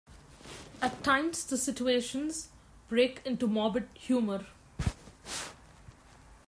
At times the situations break into morbid humour.